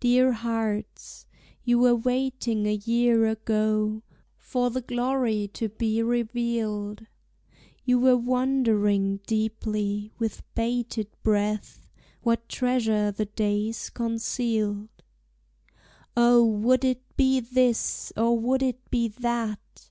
Dear hearts, you were waiting a year ago For the glory to be revealed; You were wondering deeply, with bated breath, What treasure the days concealed. O, would it be this, or would it be that?